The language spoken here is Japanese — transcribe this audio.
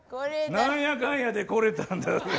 何やかんやで来れたんだぜぇ。